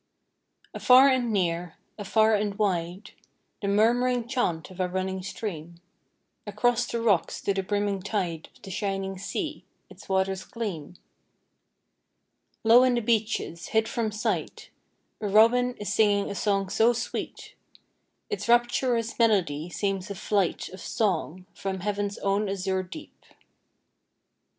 Afar and near, afar and wide, The murm'ring chant of a running stream, Across the rocks to the brimming tide Of the shining sea, its waters gleam. Low in the beeches, hid from sight, A robin is singing a song so sweet, Its rapturous melody seems a flight Of song from Heaven's own azure deep.